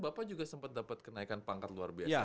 bapak juga sempat dapat kenaikan pangkat luar biasa